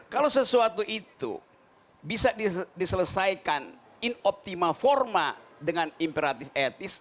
kalau sesuatu itu bisa diselesaikan in optima forma dengan imperatif etis